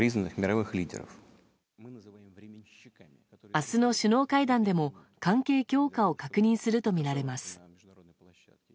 明日の首脳会談でも関係強化を確認するとみられます。